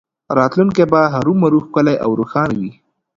راتلونکی به هرومرو ښکلی او روښانه وي